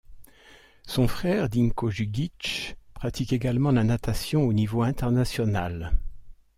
Son frère, Dinko Jukić pratique également la natation au niveau international.